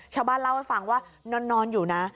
ชาวบ้านเล่าให้ฟังว่านอนอยู่นะ